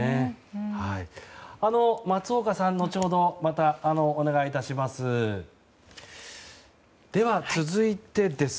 松岡さん、また後程またお願いします。